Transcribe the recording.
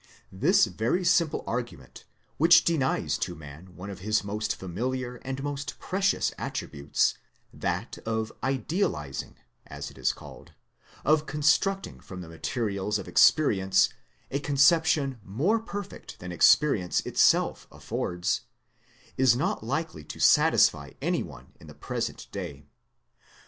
This very simple argument, which denies to man one of his most familiar and most precious attributes, that of idealizing as it is called of constructing from the materials of ex perience a conception more perfect than experience itself affords is not likely to satisfy any one in the present day.